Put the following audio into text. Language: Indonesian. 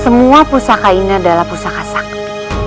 semua pusaka ini adalah pusaka sakti